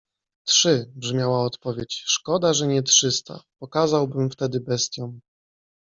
- Trzy - brzmiała odpowiedź. - Szkoda, że nie trzysta. Pokazałbym wtedy bestiom!